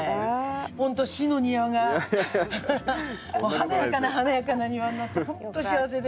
華やかな華やかな庭になって本当幸せです。